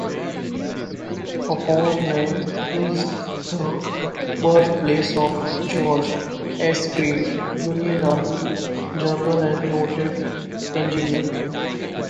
Apponaug is the birthplace of George S. Greene, Union Army general and noted engineer.